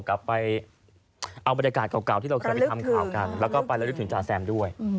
กลับไปเอาบรรยากาศเก่าที่เราเคยไปทำข่าวกันแล้วก็ไประลึกถึงจาแซมด้วย